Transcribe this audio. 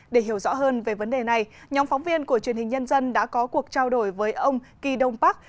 để hiểu rõ hơn về vấn đề này nhóm phóng viên của truyền hình nhân dân đã có cuộc trao đổi với ông kỳ đông bắc